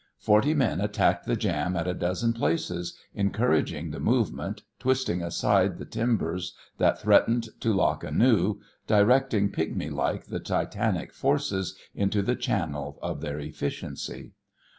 Forty men attacked the jam at a dozen places, encouraging the movement, twisting aside the timbers that threatened to lock anew, directing pigmy like the titanic forces into the channel of their efficiency.